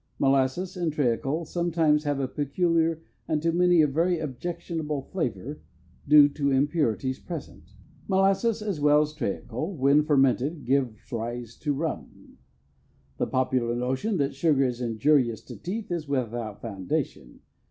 Molasses and treacle sometimes have a peculiar and to many a very objectionable flavor, due to impurities present. Molasses, as well as treacle, when fermented, gives rise to rum. The popular notion that sugar is injurious to teeth is without foundation.